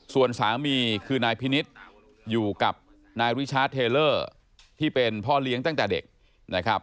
ส่วนสามีคือนายพินิษฐ์อยู่กับนายริชาร์เทเลอร์ที่เป็นพ่อเลี้ยงตั้งแต่เด็กนะครับ